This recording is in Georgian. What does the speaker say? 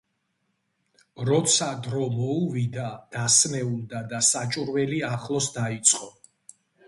როცა დრო მოუვიდა, დასნეულდა და საჭურველი ახლოს დაიწყო.